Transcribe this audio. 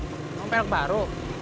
pake pelek baru